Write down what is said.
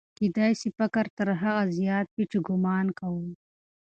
کېدای سي فقر تر هغه زیات وي چې ګومان کوو.